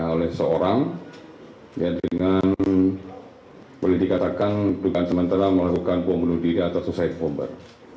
oleh seorang yang dengan boleh dikatakan luka sementara melakukan pembunuh diri atau suicide bomber